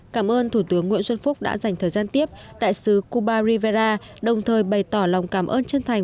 cảm ơn thủ tướng nguyễn xuân phúc đã dành thời gian tiếp đại sứ cubarivera đồng thời bày tỏ lòng cảm ơn chân thành